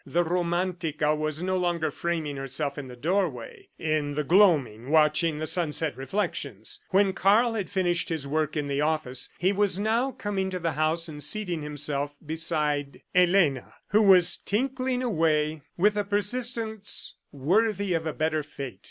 The Romantica was no longer framing herself in the doorway in the gloaming watching the sunset reflections. When Karl had finished his work in the office, he was now coming to the house and seating himself beside Elena, who was tinkling away with a persistence worthy of a better fate.